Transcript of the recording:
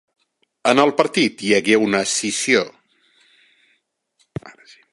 En el partit hi hagué una escissió.